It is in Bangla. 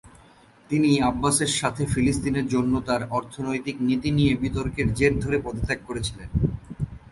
তিনি আব্বাসের সাথে ফিলিস্তিনের জন্য তার অর্থনৈতিক নীতি নিয়ে বিতর্কের জের ধরে পদত্যাগ করেছিলেন।